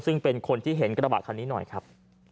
ซึ่งเป็นคนที่เห็นกระบะคันนี้หน่อยครับ